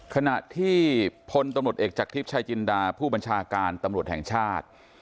ขณะที่พลตำรวจเอกจากทริปชายจินดาผู้บัญชาการตำรวจแห่งชาติ